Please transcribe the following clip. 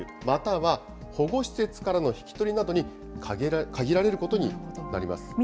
または、保護施設からの引き取りなどに限られることになります。